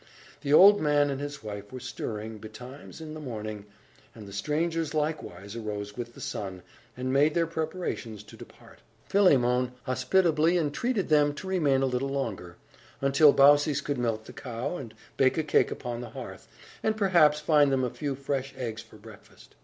The old man and his wife were stirring, betimes, in the morning, and the strangers likewise arose with the sun, and made their preparations to depart. Philemon hospitably entreated them to remain a little longer, until Baucis could milk the cow, and bake a cake upon the hearth, and, perhaps, find them a few fresh eggs for breakfast.